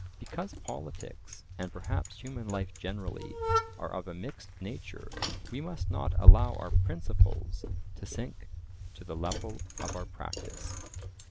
Because politics, and perhaps human life generally, are of a mixed nature we must not allow our principles to sink to the level of our practice.